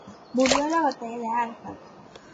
Murió en la Batalla de Alarcos.